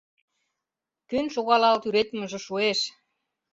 Кӧн шогалал тӱредмыже шуэш?